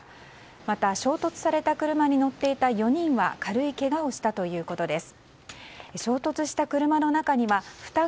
また、衝突された車に乗っていた４人は軽いけがをしたということです。